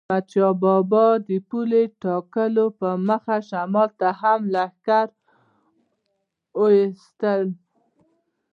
احمدشاه بابا د پولو ټاکلو په موخه شمال ته هم لښکر وایست.